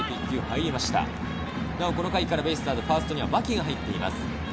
この回からベイスターズ、ファーストには牧が入っています。